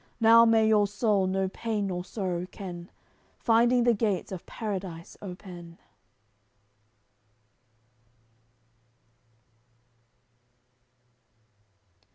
Now may your soul no pain nor sorrow ken, Finding the gates of Paradise open!"